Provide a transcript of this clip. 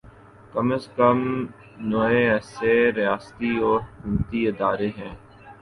کم از کم نوے ایسے ریاستی و حکومتی ادارے ہیں